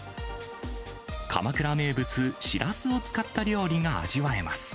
鎌倉名物、しらすを使った料理が味わえます。